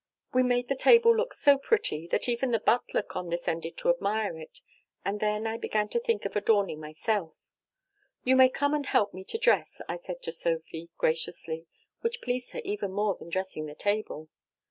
We made the table look so pretty, that even the butler condescended to admire it, and then I began to think of adorning myself. "'You may come and help me to dress,' I said to Sophy graciously which pleased her even more than dressing the table.